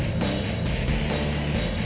udah udah saya aja